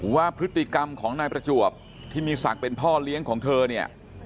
ว่าพฤติกรรมของนายประจวบที่มีศักดิ์เป็นพ่อเลี้ยงของเธอเนี่ย